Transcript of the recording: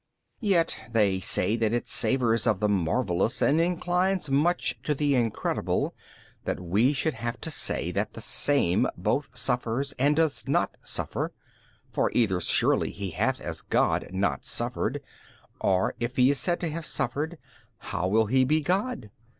B. Yet they say that it savours of the marvellous and inclines much to the incredible, that we should have to say that the Same both suffers and does not suffer 61. For either surely He hath as God not suffered or if He is said to have suffered, how will He be God?